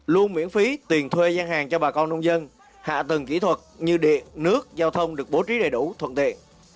luôn miễn phí tiền thuê gian hàng cho bà con nông dân hạ tầng kỹ thuật như điện nước giao thông được bố trí đầy đủ thuận tiện